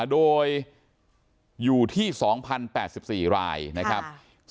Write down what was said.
โดยอยู่ที่๒๐๘๔รายนะครับ